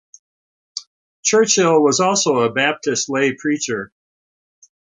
Churchill was also a Baptist lay preacher.